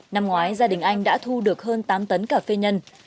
năm ngoái gia đình anh đã thu được hơn tám tấn cà phê nhân